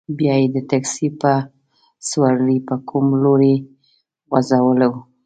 بیا یې د تکسي په سورلۍ په کوم لوري ځوځولو.